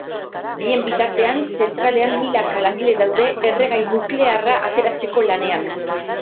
Bien bitartean, zentralean milaka langile daude erregai nuklearra ateratzeko lanean.